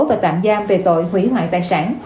và tạm giam về tội hủy hoại tài sản